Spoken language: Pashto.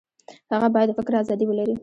هغه باید د فکر ازادي ولري.